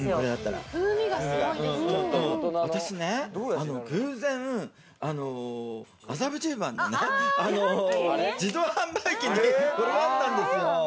私ね、偶然、麻布十番のね、自動販売機に、これがあったんですよ。